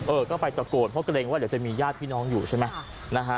เออก็ไปตะโกนเพราะเกรงว่าเดี๋ยวจะมีญาติพี่น้องอยู่ใช่ไหมนะฮะ